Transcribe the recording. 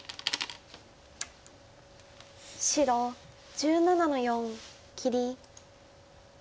白１７の四切り。